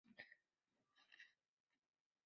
本列表列出苏丹的活火山与死火山。